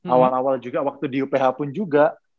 awal awal juga waktu di uph pun juga